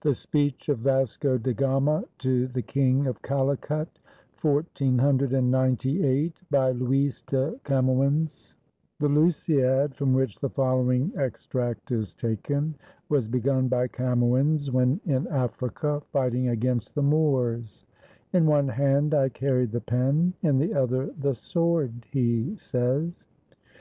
Adieu." THE SPEECH OF VASCO DA GAMA TO THE KING OF CALICUT BY LUIS DE CAMOENS [The "Lusiad," from which the following extract is taken, was begun by Camoens when in Africa fighting against the Moors. "In one hand I carried the pen, in the other the sword," he says.